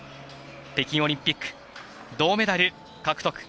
北京オリンピック銅メダル獲得。